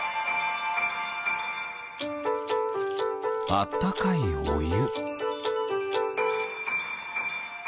あったかいおゆ。